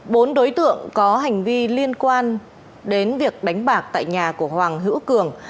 bốn đối tượng có hành vi liên quan đến việc đánh bạc tại nhà của hoàng hữu cường